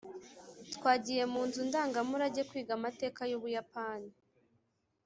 twagiye mu nzu ndangamurage kwiga amateka y'ubuyapani.